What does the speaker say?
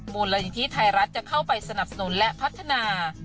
มูลนิธิไทยรัฐจะเข้าไปสนับสนุนและพัฒนา